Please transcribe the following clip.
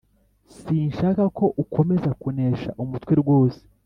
sinshaka ko ukomeza kunesha umutwe rwose